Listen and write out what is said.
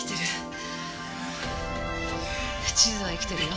地図は生きてるよ。